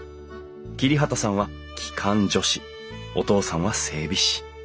桐畑さんは機関助士お父さんは整備士。